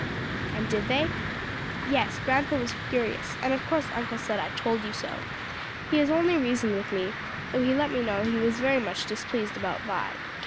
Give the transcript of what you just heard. "And did they?" "Yes, grandpa was furious, and of course uncle said, 'I told you so.' He has only reasoned with me, though he let me know he was very much displeased about Vi.